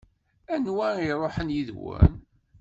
Anwa i iṛuḥen yid-wen?